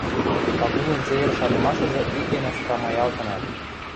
Пагулын цевер шанымашыжы ик гӓнӓ страмаялтынат